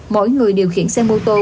mỗi người điều khiển xe mô tô